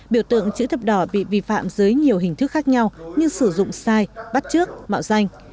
biểu tượng chữ thập đỏ bị vi phạm dưới nhiều hình thức khác nhau như sử dụng sai bắt trước mạo danh